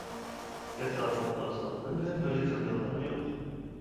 ئەتراپىمغا قارىسام مەن بىلەن بىرگە كەلگەنلەرمۇ يوق.